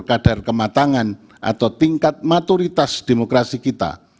kadar kematangan atau tingkat maturitas demokrasi kita